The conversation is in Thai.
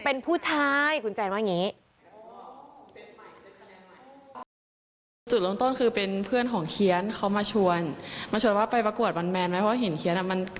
เป็นผู้ชายคุณแจนว่าอย่างนี้